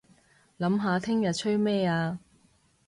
諗下聽日吹咩吖